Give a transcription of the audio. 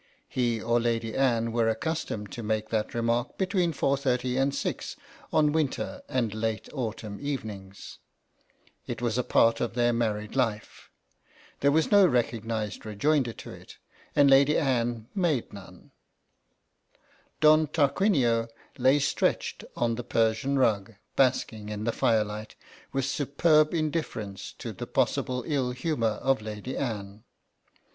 He or Lady Anne were accustomed to make that re mark between 4.30 and 6 on winter and late 8 THE RETICENCE OF LADY ANNE autumn evenings; it was a part of their married life. There was no recognised rejoinder to it, and Lady Anne made none. Don Tarquinio lay astretch on the Persian rug, basking in the firelight with superb indifference to the possible ill humour of Lady Anne.